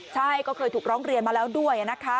ใช่ก็เคยถูกร้องเรียนมาแล้วด้วยนะคะ